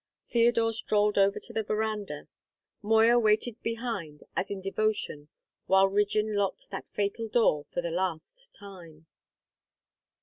Theodore strolled over to the verandah. Moya waited behind as in devotion while Rigden locked that fatal door for the last time.